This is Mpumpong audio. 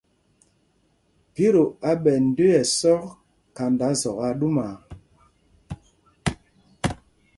Mpito á ɓɛ ndə̄ə̄ ɛsɔk khanda zɔk aa ɗúmaa.